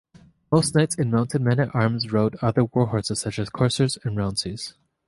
Most knights and mounted men-at-arms rode other war horses, such as coursers and rounceys.